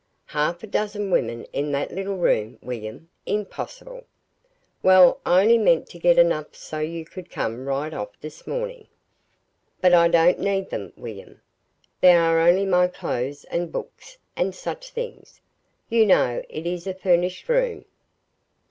"Half a dozen women in that little room, William impossible!" "Well, I only meant to get enough so you could come right off this morning." "But I don't need them, William. There are only my clothes and books, and such things. You know it is a FURNISHED room."